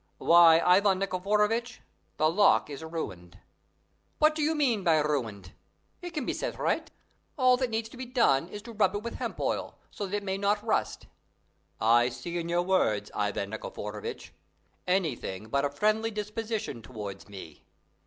Why, Ivan Nikiforovitch, the lock is ruined." "What do you mean by ruined? It can be set right; all that needs to be done is to rub it with hemp oil, so that it may not rust." "I see in your words, Ivan Nikiforovitch, anything but a friendly disposition towards me.